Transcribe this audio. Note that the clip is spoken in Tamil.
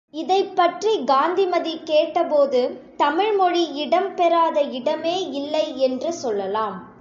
இதைப் பற்றி காந்திமதி கேட்ட போது, தமிழ் மொழி இடம் பெறாத இடமே இல்லை என்று சொல்லலாம்.